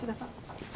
はい？